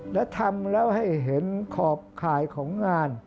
และทำแล้วให้เห็นขอบข่ายของงาน